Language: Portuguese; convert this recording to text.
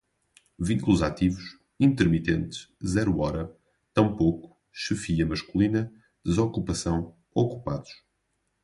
vínculos ativos, intermitentes, zero hora, tampouco, chefia masculina, desocupação, ocupados